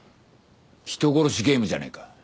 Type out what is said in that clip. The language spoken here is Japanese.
人殺しゲームじゃねえか。